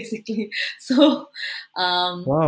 ya tapi ini adalah